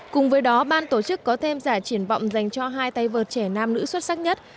cùng với đó ban tổ chức có thêm giải triển vọng dành cho hai tay vợt trẻ nam nữ xuất sắc nhất